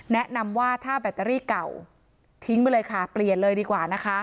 แนะนำว่าถ้าแบตเตอรี่เก่าทิ้งไปเลยค่ะเปลี่ยนเลยดีกว่านะคะ